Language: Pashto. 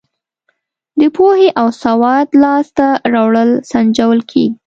د پوهې او سواد لاس ته راوړل سنجول کیږي.